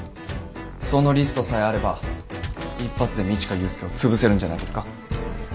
そのリストさえあれば一発で路加雄介をつぶせるんじゃないですか？